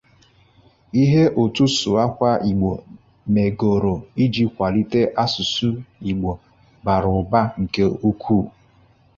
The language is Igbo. Ihe Otu Sụwakwa Igbo megoro iji kwalite asụsụ Igbo bara ụba nke ukwuu